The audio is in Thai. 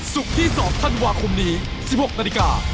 สุขที่สอบทันวาคมนี้๑๖นาทีการ์